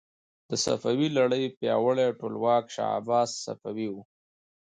د صفوي لړۍ پیاوړی ټولواک شاه عباس صفوي و.